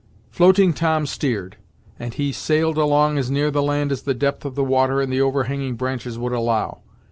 Floating Tom steered, and he sailed along as near the land as the depth of the water and the overhanging branches would allow.